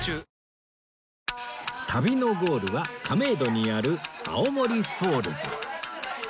旅のゴールは亀戸にある青森 Ｓｏｕｌｓ